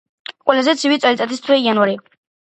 ყველაზე ცივი წელიწადის თვე იანვარია.